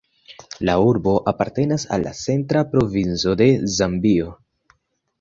La urbo apartenas al la Centra Provinco de Zambio.